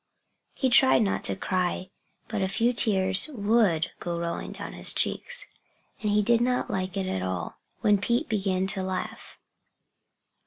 He tried not to cry. But a few tears would go rolling down his cheeks. And he did not like it at all when Pete began to laugh.